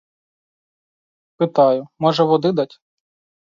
Питаю: може, води дать?